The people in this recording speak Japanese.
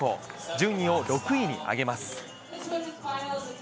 順位を６位に上げます。